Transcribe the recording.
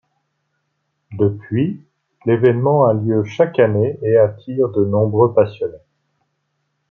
Depuis, l’évènement a lieu chaque année et attire de nombreux passionnés.